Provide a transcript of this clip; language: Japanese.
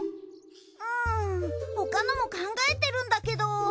うん他のも考えてるんだけど。